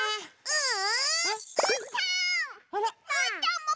うん！